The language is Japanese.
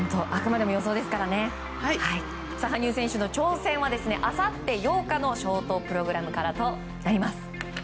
あくまでも予想ですからね羽生選手の挑戦はあさって８日のショートプログラムからとなります。